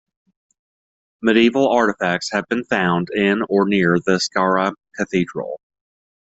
Medieval artifacts have been found in or near the Skara cathedral.